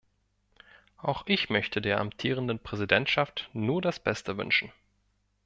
Auch ich möchte der amtierenden Präsidentschaft nur das Beste wünschen.